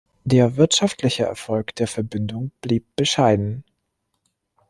Der wirtschaftliche Erfolg der Verbindung blieb bescheiden.